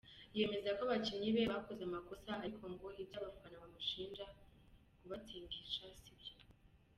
Yemeza ko abakinnyi be bakoze amakosa ariko ngo iby’abafana bamushinja kubatsindisha si byo.